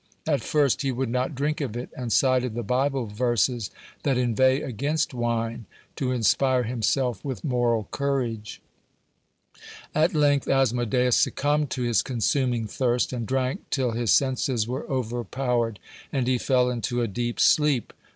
At first he would not drink of it, and cited the Bible verses that inveigh against wine, to inspire himself with moral courage. At length Asmodeus succumbed to his consuming thirst, and drank till his senses were overpowered, and he fell into a deep sleep.